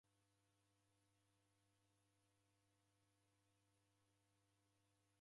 Mnyunya ni mbogha ribirie